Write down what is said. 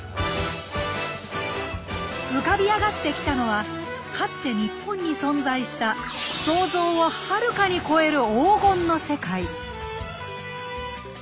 浮かび上がってきたのはかつて日本に存在した想像をはるかに超える黄金の世界。